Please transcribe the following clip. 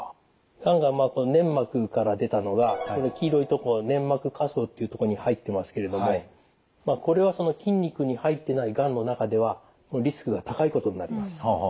がんが粘膜から出たのがその黄色いとこ粘膜下層っていうとこに入ってますけれどもこれは筋肉に入ってないがんの中ではリスクが高いことになります。